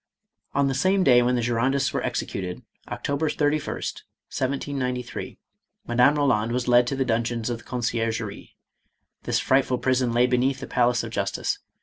On the same day when the Girondists were executed, October 31st. 1793, Madame Eoland was led to the dungeons of the Conciergerie. This frightful prison lay beneath the Palace of Justice.